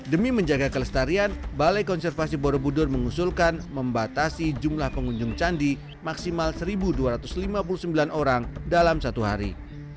demi menjaga kelestarian balai konservasi borobudur mengusulkan membatasi jumlah pengunjung candi maksimal satu dua ratus lima puluh sembilan orang dalam satu hari